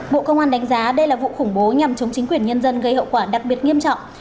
bộ công an đánh giá đây là vụ khủng bố nhằm chống chính quyền nhân dân gây hậu quả đặc biệt nghiêm trọng